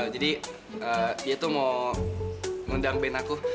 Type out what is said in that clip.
jadi dia itu mau mengundang ben aku